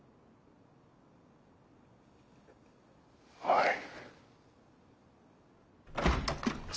はい。